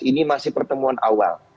ini masih pertemuan awal